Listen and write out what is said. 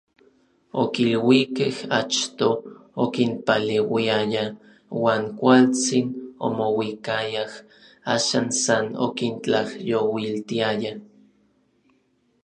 Okiluikej achto okinpaleuiaya uan kualtsin omouikayaj, Axan san okintlajyouiltiaya.